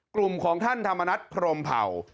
กลุ่มของท่านธรรมนัฐพรมเผ่า